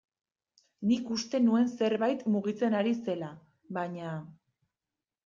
Nik uste nuen zerbait mugitzen ari zela, baina...